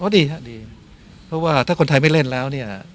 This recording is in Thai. ดีครับดีเพราะว่าถ้าคนไทยไม่เล่นแล้วเนี่ย